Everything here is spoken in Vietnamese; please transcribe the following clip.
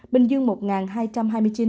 bình dương một hai trăm hai mươi chín ca